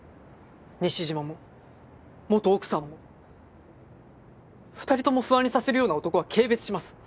西島も元奥さんも２人とも不安にさせるような男は軽蔑します。